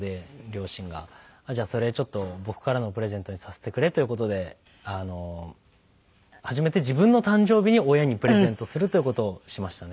じゃあそれちょっと僕からのプレゼントにさせてくれという事で初めて自分の誕生日に親にプレゼントするという事をしましたね。